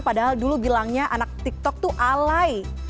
padahal dulu bilangnya anak tiktok tuh alai